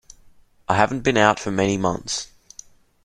I haven't been out for many months.